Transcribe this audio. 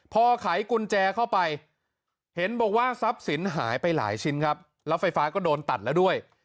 พอไขกุญแจเข้าไปเห็นบอกว่าทรัพย์สินหายไปหลายชิ้นครับแล้วไฟฟ้าก็โดนตัดแล้วด้วย